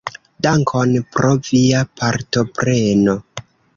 Dankon pro via partopreno.